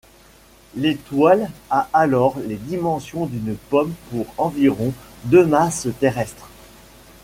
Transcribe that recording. L'étoile a alors les dimensions d'une pomme pour environ deux masses terrestres.